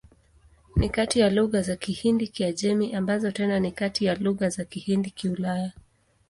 Ni kati ya lugha za Kihindi-Kiajemi, ambazo tena ni kati ya lugha za Kihindi-Kiulaya.